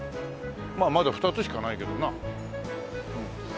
まあまだ２つしかないけどなあ。